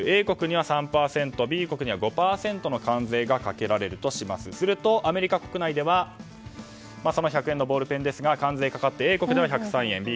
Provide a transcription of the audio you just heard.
Ａ国には３％Ｂ国には５％の関税がかけられるとしますするとアメリカ国内では１００円のボールペンですが関税がかかってＡ国では１０３円